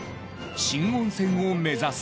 新温泉を目指す。